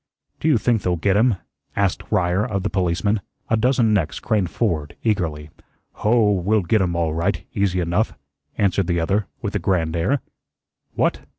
"Do you think they'll get him?" asked Ryer of the policeman. A dozen necks craned forward eagerly. "Hoh, we'll get him all right, easy enough," answered the other, with a grand air. "What?